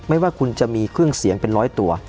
ไม่ว่าคุณจะมีเครื่องเสียงเป็นร้อยตัว